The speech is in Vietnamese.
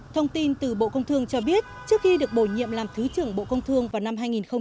thông tin từ bộ công thương cho biết trước khi được bổ nhiệm làm thứ trưởng bộ công thương vào năm hai nghìn một mươi ba